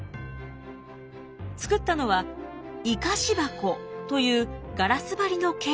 作ったのは活かし箱というガラス張りのケース。